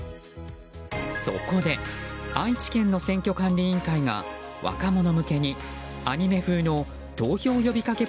そこで愛知県の選挙管理委員会が若者向けにアニメ風の投票呼びかけ